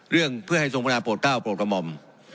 เรื่องเพื่อให้ทรงพระนาโปรดก้าวโปรดกระหม่อม